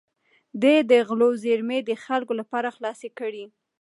ده د غلو زېرمې د خلکو لپاره خلاصې کړې.